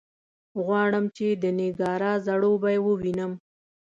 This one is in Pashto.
غواړم چې د نېګارا ځړوبی ووینم.